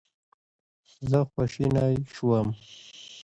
زه خواشینی شوم.